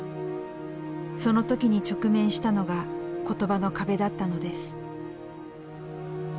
その時に直面したのが言葉の壁だったのです。